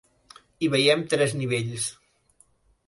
Hi veiem tres nivells.